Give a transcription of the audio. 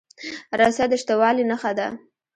رسۍ د شته والي نښه ده.